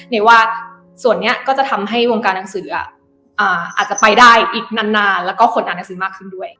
ว่าส่วนนี้ก็จะทำให้วงการหนังสืออาจจะไปได้อีกนานแล้วก็คนอ่านหนังสือมากขึ้นด้วย